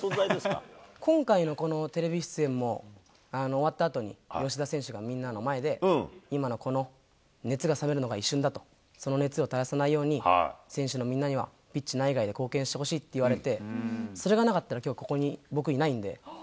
今回のこのテレビ出演も終わったあとに、吉田選手がみんなの前で、今のこの熱が冷めるのが一瞬だと、その熱を絶やさないように、選手のみんなには、ピッチ内外で貢献してほしいって言われて、それがなかったら、きょうここに僕、いないんで。